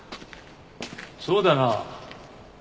そうだな